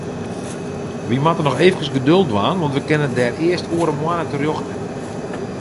Wy moatte noch eefkes geduld dwaan, want we kinne dêr earst oare moanne terjochte.